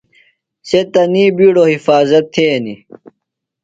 سےۡ تنی بِیڈوۡ حفاظت تھینیۡ۔